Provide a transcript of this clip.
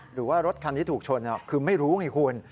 หรือว่ารถคันที่ถูกชนคือไม่รู้ไงคุณ